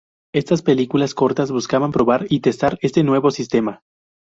Estas películas cortas buscaban probar y testar este nuevo sistema.